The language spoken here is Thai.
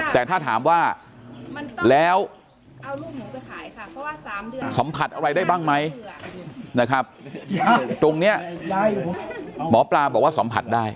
แต่ถ้าถามว่าแล้วสัมผัสอะไรได้บ้างไหมนะครับตรงนี้หมอปลาบอกว่าสัมผัสได้